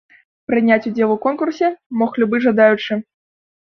Прыняць удзел у конкурсе мог любы жадаючы.